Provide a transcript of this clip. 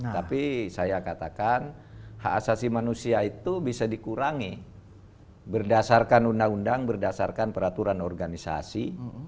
tapi saya katakan hak asasi manusia itu bisa dikurangi berdasarkan undang undang berdasarkan peraturan organisasi